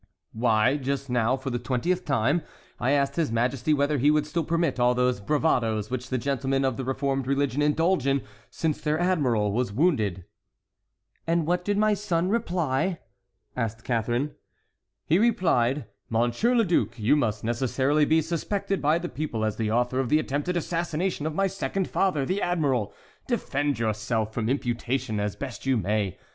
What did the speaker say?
"Why, just now, for the twentieth time, I asked his Majesty whether he would still permit all those bravadoes which the gentlemen of the reformed religion indulge in, since their admiral was wounded." "And what did my son reply?" asked Catharine. "He replied, 'Monsieur le Duc, you must necessarily be suspected by the people as the author of the attempted assassination of my second father, the admiral; defend yourself from the imputation as best you may.